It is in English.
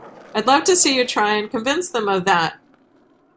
I'd love to see you try and convince them of that!